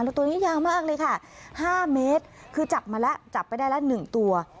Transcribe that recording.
แล้วตัวนี้ยาวมากเลยค่ะ๕เมตรคือจับมาแล้วจับไปได้ละ๑ตัว